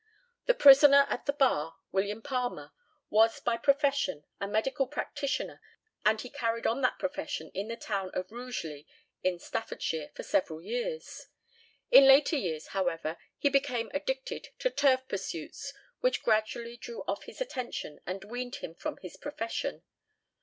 The prisoner at the bar, William Palmer, was by profession a medical practitioner, and he carried on that profession in the town of Rugeley, in Staffordshire, for several years. In later years, however, he became addicted to turf pursuits, which gradually drew off his attention and weaned him from his profession.